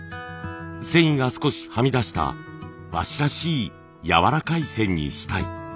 繊維が少しはみ出した和紙らしいやわらかい線にしたい。